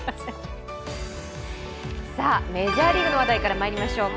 メジャーリーグの話題からまいりましょうか。